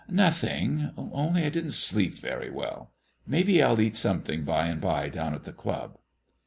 "Nothing; only I didn't sleep very well. Maybe I'll eat something by and by down at the club."